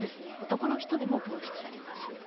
男の人でも分泌されます。